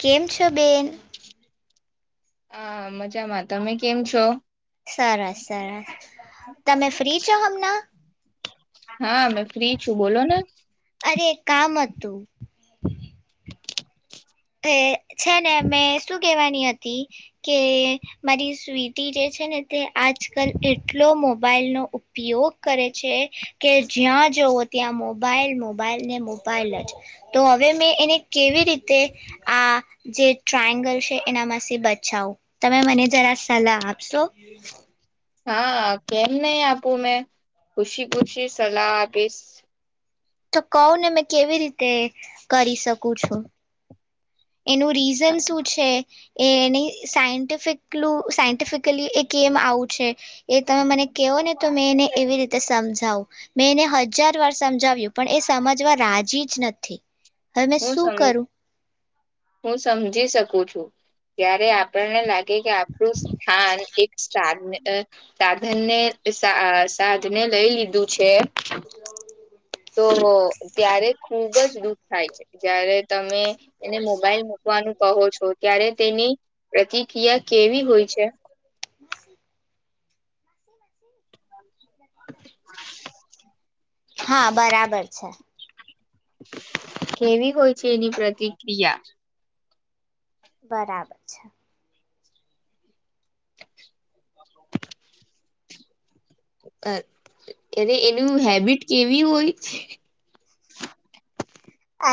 કેમ છો બેન? હા મજામાં. તમે કેમ છો? સરસ સરસ તમે ફ્રી છો હમણા. હા મેં ફ્રી છું બોલોને. કામત છે ને મેં શું કહેવાની હતી કે મારી સ્વીગી જે છે ને તે આજકાલ એટલો મોબાઈલનો ઉપયોગ કરે છે કે જ્યાં જવો ત્યાં મોબાઈલ મોબાઈલ ને મોબાઈલ જ તો હવે મેં એને કેવી રીતે આ જે ટ્રાયંગલ છે એનામાંથી બચાવો તમે મને જરા સલાહ આપશો. એ હા કેમ નહી આપું મેં ખુશી ખુશી સલાહ આપીશ. તો કહું ને મેં કેવી રીતે તે કરી શકું છું. એનું રીઝન શું છે? એ એની સાયન્ટિફિકલું સાયન્ટિફિકલી એ કેમ આવું છે એ તમે મને કહો ને તો મેં એને એવી રીતે સમજાવું મેં એને હજાર વાર સમજાવ્યું પણ એ સમજવા રાજી જ નથી. હવે મે હું શું સમ કરું? હું સમજી શકું છું ત્યારે આપણને લાગે કે આપણું સ્થાન એક સાધ સાધન ને સા સાધને લઈ લીધું છે. પ તો ત્યારે ખુબ જ દુઃખ થાય છે જય્યારે તમે એને મોબાઈલ મૂકવાનું કહો છો ત્યારે તેની પ્રતિક્રિયા કેવી હોય છે. માસી માસી હા બરાબર છે. કેવી હોય છે એની પ્રતિક્રિયા? બરાબર છે. [inaudible] અ અને એનું હેબિટ કેવી હોય?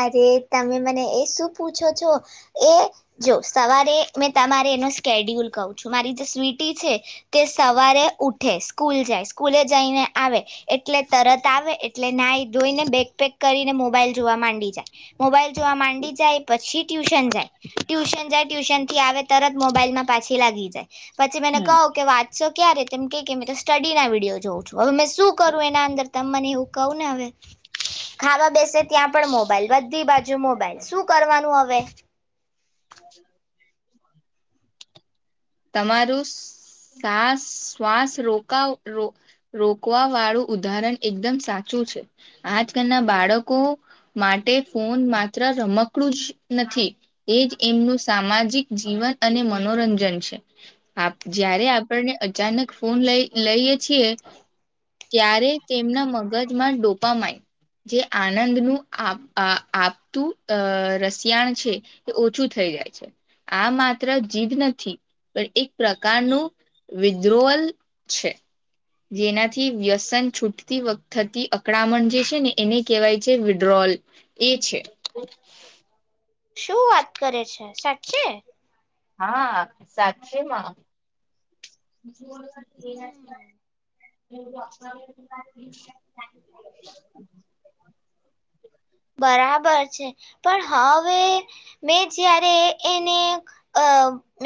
અરે તમે મને એ શું પૂછો છો એ જો સવારે મે તમારે એનો સ્ડ્યુલ કહું છું મારી જે સ્વીટી છે તે સવારે ઉઠે સ્કૂલ જાય સ્કૂલે જઈને આવે એટલે તરત આવે. એટલે ના જોઈને બેગ પેક કરીને મોબાઈલ જોવા માંડી જાય મોબાઈલ જોવા માંડી જાય પછી ટ્યુશન જાય ટ્યુશન જાય ટ્યુશન થી આવે તરત મોબાઈલમાં પાછી લાગી જાય. પછી મને હમ કહ કે વાંચશો ક્યારે? તેમમ ક કે મિત સ્ટડીના વિડીયો જોઉં છું. હ મે શું કરું એના અંદર? ત મને એવું કવું ને હવે ખાવા બેસે ત્યાં પણ મોબાઈલ બધી બાજુ મોબાઈલ શું કરવાનું હવે? [inaudible] તમારું શ્વાસ શ્વાસ રોક રોકવા વાળું ઉદાહરણ એકદમ સાચું છે આજકાલના બાળકો માટે ફોન માત્ર રમકડું જ નથી એ જ એમનું સામાજિક જીવન અને મનોરંજન છે. જ્યારે આપણને અચાનક ફોન લઈ લઈએ છીએ ત્યારે તેમના મગજમાં ડોપા માય જે આનંદનું આપતું રસિયાણ છે એ ઓછું થઈ જાય છે આ માત્ર જીદ નથી પણ એક પ્રકારનું વિદ્રોહલ છે જેનાથી વ્યસન છૂટતી વખતે થતી અકડામણ જે છે ને એને કહેવાય છે વિડ્રોલ એ છે હ શું વાત કરે છે સાચે હા સાચી માં બરાબર છે પણ હવે મેં જયારે એને અ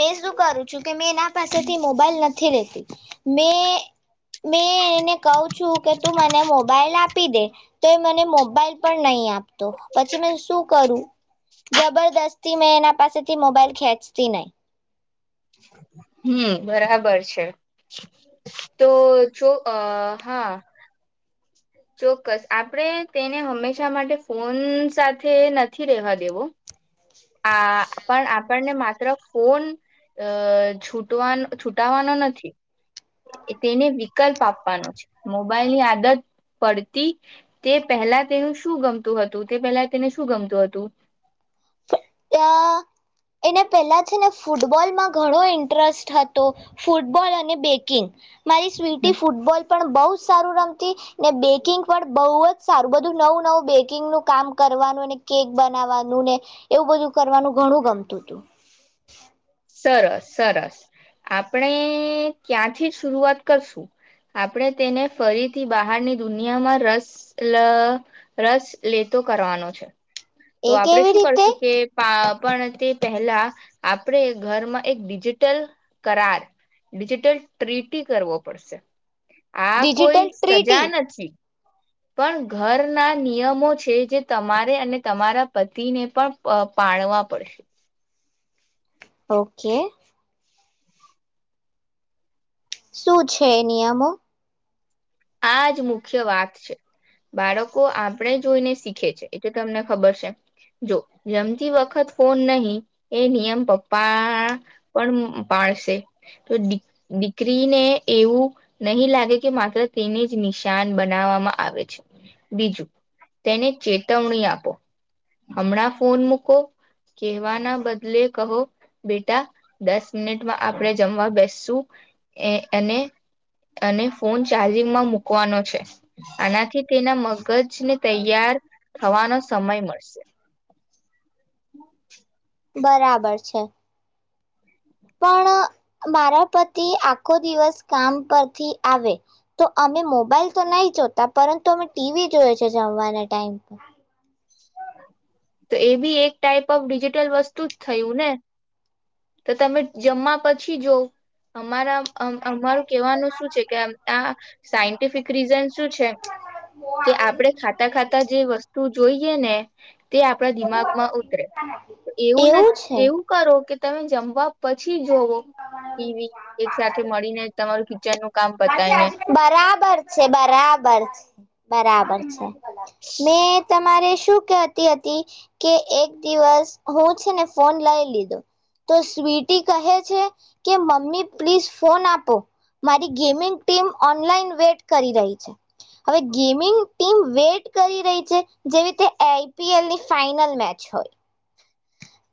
મેં શું કરું છું કે મેં એના પાસેથી મોબાઈલ નથી લેતી મેં મેં એને કઉ છું કે તું મને મોબાઈલ આપી દે તો મને મોબાઈલ પણ નહીં આપ પછી મે શું કરું જબરદસ્તી મેં એના પાસેથી મોબાઈલ ખેંચતી નહી હમ બરાબર છે તો જો હા ચોક્કસ આપણે તેને હંમેશા માટે ફોન સાથે નથી રહેેવા દેવો આ પણ આપણને મા ફોન અ છૂટવા છૂટાવાનો નથી તેને વિકલ્પ આપવાનો છે મોબાઈલની આદત પડતી તે પહેલા તેનું શું ગમતું હતું તે પેલા તેને શું ગમતું હતું એને પેલાથી ને ફૂટબોલમાં ઘણો ઇન્ટરેસ્ટ હતો ફૂટબોલ અને બેકિંગ મારી સ્વીટી ફૂટબોલ પણ બઉ સારું રમતીને બેકિંગ પણ બહુ જ સારું બધું નવું નવું બેકિંગનું કામ કરવાનું કેક બનાવાનું ને એવું બધું કરવાનું ઘણું ગમતું હતું સરસ સરસ આપણે ક્યાંથી જ શરૂઆત કરશું આપણે તેને ફરીથી બહારની દુનિયામાં રસ લ રસ લેતો કરવાનો છે તો એ આપણેે કેવી શું રીતે કરશું કે પા પણ તે પહેલા આપણે ઘરમાં એક ડિજિટલ કરાર ડિજિટલ ટ્રીટી કરવો પડશે આ કોઈ ડિજિટલ સજા ટ્રીટી નથી પણ ઘરના નિયમો છે જે તમારે અને તમારા પતિને પણ પાણવા પડશે ઓકે શું છે નિયમો? આ જ મુખ્ય વાત છે બાળકો આપણે જોઈને શીખે છે એટલે તમને ખબર છે જો જમતી વખત ફોન નહી એ નિયમ પપ્પા પણ પાડશે તો દીકરીને એવું નહી લાગે કે માત્ર તેને જ નિશાન બનાવવામાં આવે છે બીજું તેને ચેતવણી આપો હમણાં ફોન મૂકો કહેવાના બદલે કહો બેટા દસ મિનિટમાં આપણે જમવા બેસશું અને અને ફોન ચાર્જિંગમાં મૂકવાનો છે આનાથી તેના મગજને તૈયાર થવાનો સમય મળશે બરાબર છે પણ મારા પતિ આખો દિવસ કામ પરથી આવે તો અમે મોબાઈલ તો નહી જોતા પરંતુ અમે ટીવી જોય છે જમવાના ટાઈમ પર તો એ બી એક ટાઈપ ઓફ ડિજિટલ વસ્તુ જ થયું ને તો તમે જમવા પછી જોવ અમારા અમારું કહેવાનું શું છે કે આ સાયન્ટિફિક રીઝન શું છે કે આપડે ખાતા ખાતા જે વસ્તુ જોઈએ ને તે આપણા દિમાગમાં ઉતરે એવું નથ એવું કરો કે તમે જમવા પછી જોવો ટીવી એક સાથે મળીને તમારું કિચન નું કામ પતાયને બરાબર છે બરાબર છે બરાબર છે મે તમારે શું કતી કે એક દિવસ હું છેને ફોન લઈ લીધો તો સ્ કહે છે કે મમ્મી પ્લીઝ ફોન આપો મારી ગેમિંગ ટીમ ઓનલાઈન વેટ કરી રહી છે હવે ગેમિંગ ટીમ વેટ કરી રહી છે જેવી રીતે આઈપીએલની ફાઈનલ મેચ હોય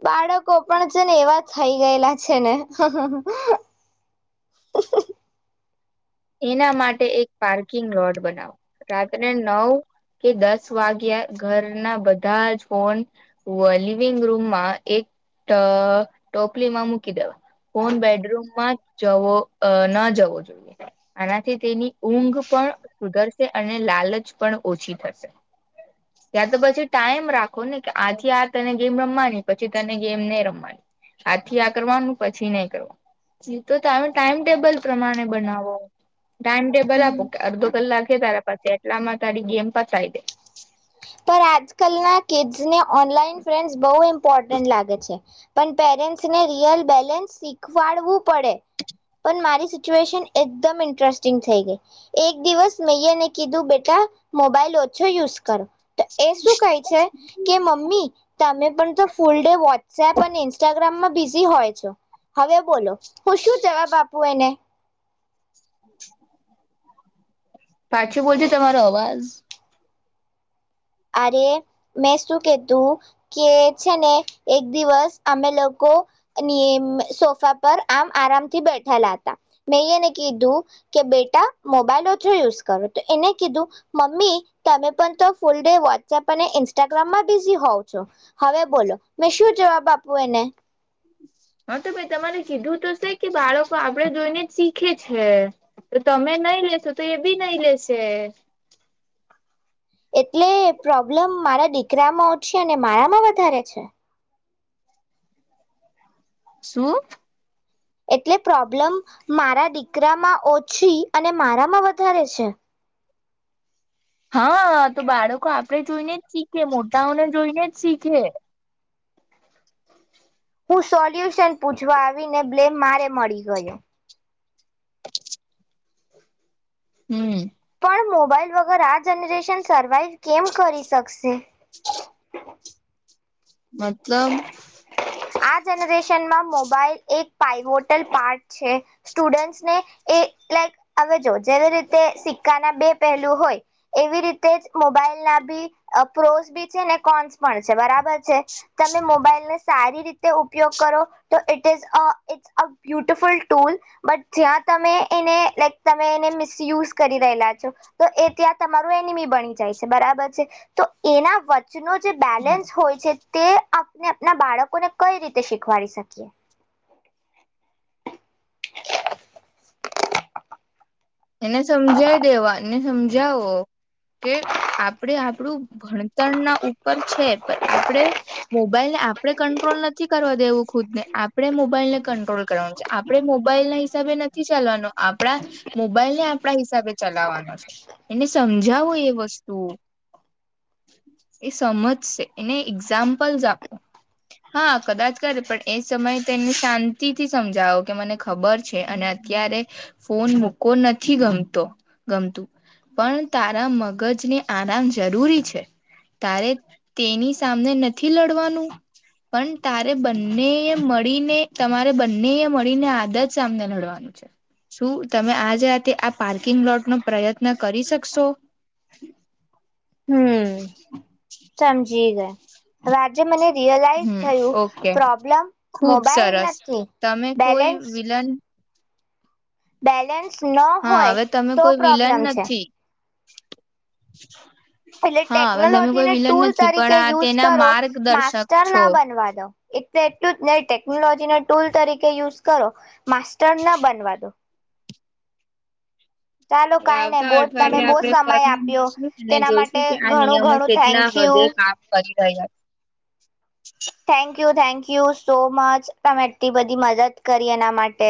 બાળકો પણ છે ને એવા થઈ ગયેલા છે ને એના માટે એક પાર્કિંગ લોટ બનાવો રાત્રે નવ કે દસ વાગ્યા ઘરના બધા જ ફોન લ લિવિંગ રૂમમાં એક એ ટોપલીમાં મૂકી દેવા ફોન બેડરૂમમાં જવો અ ન જવો જોઈએ આનાથી તેની ઊંઘ પણ સુધરશે અને લાલચ પણ ઓછી થશે ત્યા તો પછી ટાઈમ રાખો ને કે આથી આ તને ગેમ રમવાની પછી તને ગેમ નહી રમવાની આથી આ કરવાનું પછી નહી કરવાનું તો તમે ટાઈમ ટેબલ પ્રમાણે બનાવો ટાઈમ ટેબલ આપો કે અડધો કલાક હે તાર પ એટલામાં તારી ગેમ પચાઈ દે પર આજ કલના કે ને ઓનલાઈન ફ્રેન્ડ્ બહુ ઇમ્પોર્ટન્ટ લાગે છે. પણ પેરેન્ટ્સ ને રિયલ બેલેન્સ શીખવાડવું પડે પણ મા સિવચવેશન એકદમ ઇન્ટરેસ્ટિંગ થઈ ગઈ એક દિવસ મે એને કીધું બેટા મોબાઈલ ઓછો યુઝ કરો. તો એ શું કહે છે કે મમ્મી તમે પણ તો ફૂલ ડે વોટ્સએપ પણ ઇન્સ્ટાગ્રામમાં બિઝી હોય છે હવે બોલો. હું શું જવાબ આપુ એને પાછું બોલજો તમારો અવાજ અરે મેં શું કધું કે છે ને એક દિવસ અમે લોકો ની અમ સોફા પર આમ આરામથી બેઠેલા હતા મેં એને કીધું કે બેટા મોબાઈલ ઓછો યુઝ કરો તો એને કીધું મમ્મી તમે પણ તો ફૂલ વાટ્સઅપ પણ ઇન્સ્ટાગ્રામમાં બીઝી હોવ હવે બોલો મેં શું જવાબ આપો એને હા તો ભાઈ તમારે કીધું તો છે કે બાળકો આપડે જોઈને જ શીખે છે તો તમે નઈ લેશો તો એ બી નહી લેશે એટલે પ્રોબ્લેમ મારા દીકરામાં ઓછી અને માળામાં વધારે છે શું એટલે પ્રોબ્લમ મારા દીકરામાં ઓછી અને મારામાં વધારે છે હા તો બાળકો આપડે જોઈને જ શીખે મોટાઓને જોઈને જ શીખે હું સોલ્યુશન પૂછવા આવીને બ્લેમ મારે મળી ગયો હમ્મ પણ મોબાઈલ વગર આ જનરેશન સર્વાઈવ કેમ કરી શકશે મતલબ આ જનરેશનમાં મોબાઈલ એક પઇવોટલ પાર્ટ છે સ્ટુડન્ટસ ને એ લાઇક હવે જો જેવી રીતે સિક્કાના બે પહેલું હોય એવી રીતે જ મોબાઈલ ના બી પ્રોસ બી છે ને કોન્સ પણ છે બરાબર છે તમે મોબાઈલને સારી રી રતે ઉપયોગ કરો તો it is a it's a beautiful tool but જ્યાં તમે એને લાઈક તમે એને મિસયુઝ કરી રહેલા છો તો એ ત્યાં તમારું એનિમી બની જાય છે બરાબર છે તો એના વચચે એનો જે બેલેન્સ હોય છે તે આપને આપના બાળકોને કઈ રીતે શીખવાડી શકીએ. એને સમજાવ દેવા એને સમજાવો. કે આપડે આપણું ભણત ણ ના ઉપર છે પણ આપણે મોબાઈલને આપણે કંટ્રોલ નથી કરવા દેવું ખુદ ને આપણે મોબાઈલને કંટ્રોલ કરવાનું છે આપણે મોબાઈલ ના હિસાબે નથી ચાલવાનું આપણા મોબાઈલ ને આપણા હિસાબે ચલાવવાનો છે એને સમજાવો એ વસ્તુ એ સમજશે એને એક્ઝામ્પલ્સ આપો હા કદાચ કર પણ એ સમયે તો એને શાંતિથી સમજાવો કે મને ખબર છે અને અત્યારે ફોન મુક મ ગમતું પણ તારા મગજને આરામ જરૂરી છે તારે તેની સામને નથી લડવાનું પણ તારે બંને મળીને તમારે બંને એ મળીને આદત સામને લડવાનું છે શું તમે આજ જતે આ પાર્કિંગ લોટ નો પ્રયત્ન કરી શકશો. હમ સમજ [unintelligible] રાજ્ય મને ર હમ થયું ઓકે પ્રોબ્લમ ખુબ મોબાઈલ સરસ નથી તમે કોઈ બેલેન્સ વિલન બેલેન્સ ન હા હોય હવે તમે તો કોઈ વિલન પ્રોબ્લેમ છે. નથી એટલે હા હવે તમે ટેકનોલોજી કોઈ ના વિલન ટુલ નથી પણ તરીકે આ યુઝ તેના કરો માર્ગદર્શક માસ્ટર છો. ના બનવા દો એટલે એટલું જ નહી ટેકનોલોજી ના ટૂલ તરીકે યુઝ કરો માસ્ટર ના બનવા દો. ચાલો હવે કાઈ નઈ આવતા બો તમે અઠવાડિયે બો આપણે સમય ફવા આપ્યો મળશું અને તેના માટે જોઈશું કે આ ઘણું નિયમો ઘણું કેટલા થેન્ક યુ હદે કામ કરી રહ્યા છે. થેન્કયુ સો મચ તમેટલી બધી મદદ કરી એના માટે